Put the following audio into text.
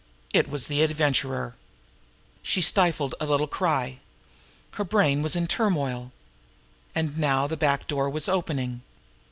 It was the Adventurer. She stifled a little cry. Her brain was in turmoil. And now the back door was opening.